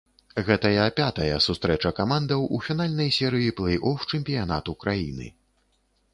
Гэтая пятая сустрэча камандаў у фінальнай серыі плэй-оф чэмпіянату краіны.